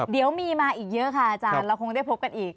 เดี๋ยวมีมาอีกเยอะค่ะอาจารย์เราคงได้พบกันอีก